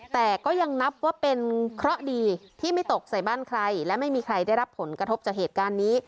แต่ก็ยังนับว่าเป็นเคราะห์ดีที่ไม่ตกใส่บ้านใครและไม่มีใครได้รับผลกระทบจากเหตุการณ์นี้